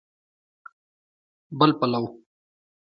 بل پلو